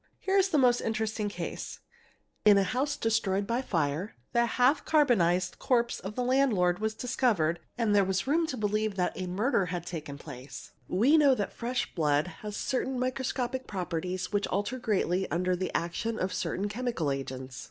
Here is a most interesting case: in a house destroyed by fire the: half carbo 'nised corpse of the landlord was discovered and there was room to believe that a murder had taken place; we know that fresh blood has certain microscopic properties which alter greatly under the action of certain 'chemical agents.